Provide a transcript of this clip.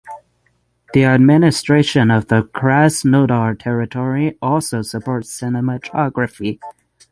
The administration of the Krasnodar Territory also supports cinematography.